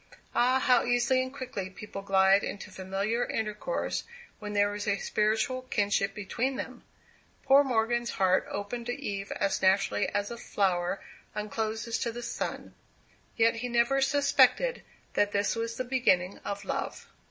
Ah, how easily and quickly people glide into familiar intercourse when there is a spiritual kinship between them! Poor Morgan's heart opened to Eve as naturally as a flower uncloses to the sun. Yet he never suspected that this was the beginning of love.